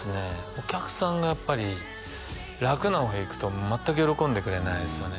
お客さんがやっぱり楽な方へいくと全く喜んでくれないですよね